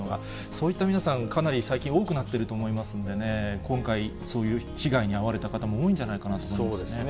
そういった皆さん、かなり最近、多くなってると思いますんでね、今回、そういう被害に遭われた方も多いんじゃないかなと思いますそうですね。